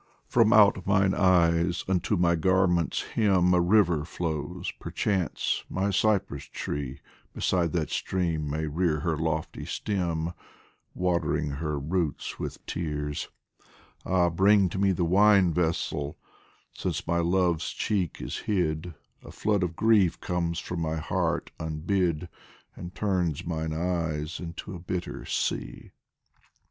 From out mine eyes unto my garment's hem A river flows ; perchance my cypress tree Beside that stream may rear her lofty stem, Watering her roots with tears. Ah, bring to me 95 POEMS FROM THE The wine vessel ! since my Love's cheek is hid, A flood of grief comes from my heart unhid, And turns mine eyes into a bitter sea